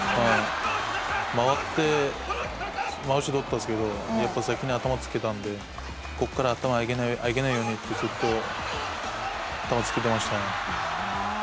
回って、まわしをとったんですけど、やっぱり先に頭をつけたので、ここから頭をあけないようにと頭をつけていましたね。